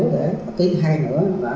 đều diễn ra thủ công